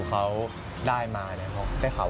เขาได้มาเนี่ย